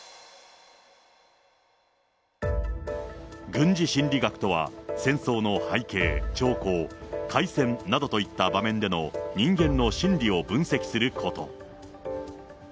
軍事心理学とは、戦争の背景、兆候、開戦などといった場面での人間の心理を分析すること。